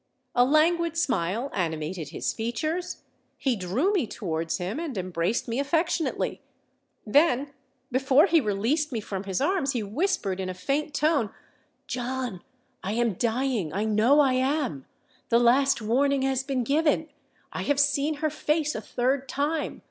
A languid smile animated his features: he drew me towards him, and embraced me affectionately. Then, before he released me from his arms, he whispered in a faint tone, '_John, I am dying—I know I am! The last warning has been given—I have seen her face a third time!